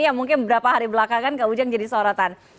yang mungkin beberapa hari belakangan gak ujang jadi sorotan